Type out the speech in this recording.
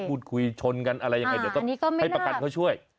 พูดคุยชนกันอะไรยังไงเดี๋ยวก็ให้ประกันเขาช่วย